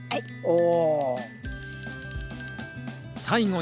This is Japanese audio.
お！